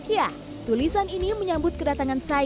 ya tulisan ini menyambut kedatangan saya